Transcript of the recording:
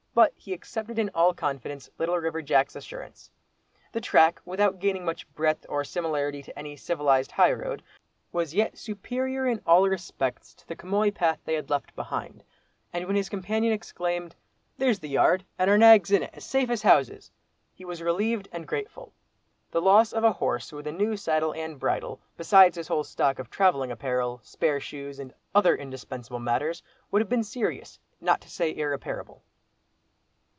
But he accepted in all confidence Little River Jack's assurance. The track, without gaining much breadth or similarity to any civilised high road, was yet superior in all respects to the chamois path they had left behind, and when his companion exclaimed, "There's the yard, and our nags in it, as safe as houses," he was relieved and grateful. The loss of a horse with a new saddle and bridle, besides his whole stock of travelling apparel, spare shoes, and other indispensable matters, would have been serious, not to say irreparable.